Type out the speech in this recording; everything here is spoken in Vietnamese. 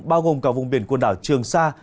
bao gồm cả vùng biển quần đảo trường sa